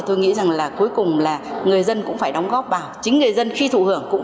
tôi nghĩ rằng là cuối cùng là người dân cũng phải đóng góp vào chính người dân khi thụ hưởng cũng